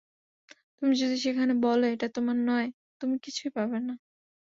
তুমি যদি সেখানে বলো এটা তোমার নয়, তুমি কিছুই পাবে না।